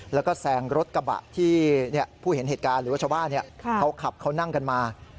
แล้วก็แซงรถกระบะที่ผู้เห็นเหตุการณ์หรือว่าชาวบ้านเขาขับเขานั่งกันมา